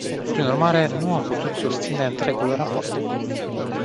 Prin urmare, nu am putut susține întregul raport.